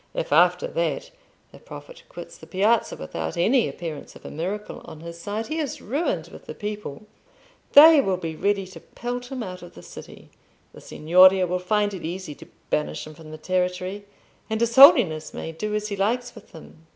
If, after that, the Prophet quits the Piazza without any appearance of a miracle on his side, he is ruined with the people: they will be ready to pelt him out of the city, the Signoria will find it easy to banish him from the territory, and his Holiness may do as he likes with him.